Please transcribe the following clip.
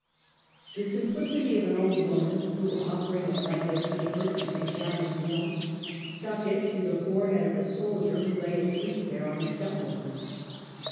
The simplicity of an old woman ^ who, offering a lighted taper to St. jfohn of Lyons, stuck it to the forehead of a soldier who lay asleep there on a sepulchre.